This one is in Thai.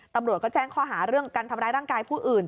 ตำรวจก็แจ้งข้อหาเรื่องการทำร้ายร่างกายผู้อื่น